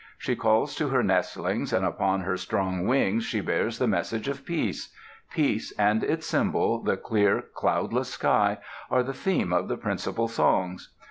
She calls to her nestlings and upon her strong wings she bears the message of peace. Peace and its symbol, the clear, cloudless sky, are the theme of the principal songs.